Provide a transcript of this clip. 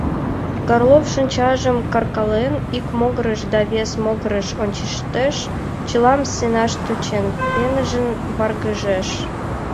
Горлов, шинчажым каркален, ик могырыш да вес могырыш ончыштеш, чылам сеҥаш тӧчен, пеҥыжын варгыжеш: